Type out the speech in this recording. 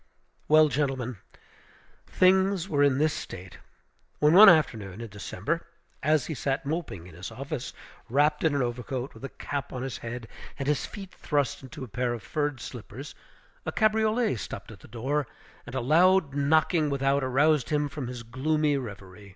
Well, gentlemen, things were in this state, when, one afternoon in December, as he sat moping in his office, wrapped in an overcoat, with a cap on his head and his feet thrust into a pair of furred slippers, a cabriolet stopped at the door, and a loud knocking without aroused him from his gloomy revery.